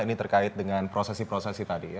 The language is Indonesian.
ini terkait dengan prosesi prosesi tadi ya